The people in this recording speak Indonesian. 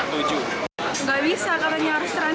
tidak bisa karena harus transit